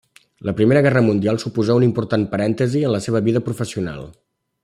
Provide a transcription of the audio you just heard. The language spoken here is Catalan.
La Primera Guerra Mundial suposà un important parèntesi en la seva vida professional.